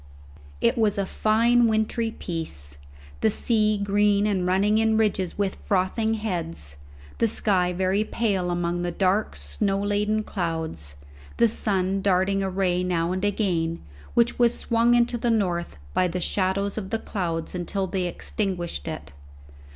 It was a fine wintry piece; the sea green and running in ridges with frothing heads, the sky very pale among the dark snow laden clouds, the sun darting a ray now and again, which was swung into the north by the shadows of the clouds until they extinguished it.